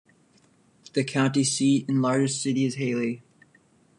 The county seat and largest city is Hailey.